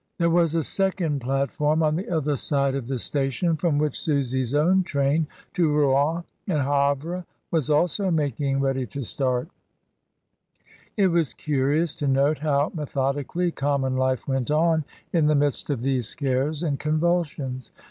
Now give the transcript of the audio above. There was a second plat 262 MRS. DYMOND. form on the other side of the station from which Susy's own train to Rouen and Havre was also making ready to start It was curious to note how methodically common life went on in the midst of these scares and convulsions.